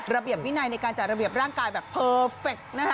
ระเบียบวินัยในการจัดระเบียบร่างกายแบบเพอร์เฟคนะฮะ